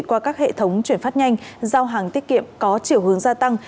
qua các hệ thống chuyển phát nhanh giao hàng tiết kiệm có chiều hướng gia tăng